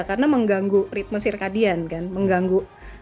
karena mengganggu ritme sirkadian kan mengganggu